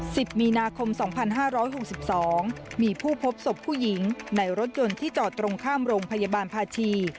สิบมีนาคมสองพันห้าร้อยหกสิบสองมีผู้พบศพผู้หญิงในรถยนต์ที่จอดตรงข้ามโรงพยาบาลภาชี